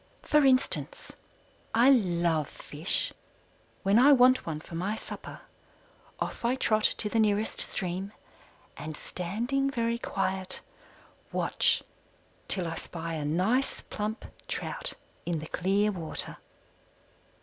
For instance: I love Fish. When I want one for my supper off I trot to the nearest stream, and standing very quiet, watch till I spy a nice, plump trout in the clear water.